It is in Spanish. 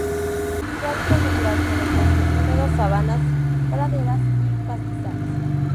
Su hábitat natural son los bosque húmedos, sabanas, praderas y pastizales.